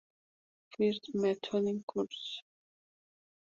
First Methodist Church en Lancaster, Ohio.